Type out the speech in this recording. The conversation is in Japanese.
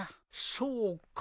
そうか。